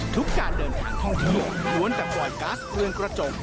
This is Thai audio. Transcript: การเดินทางท่องเที่ยวล้วนแต่ปล่อยก๊าซเรือนกระจก